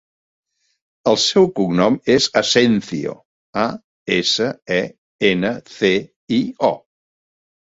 El seu cognom és Asencio: a, essa, e, ena, ce, i, o.